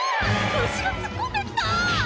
⁉牛が突っ込んできた！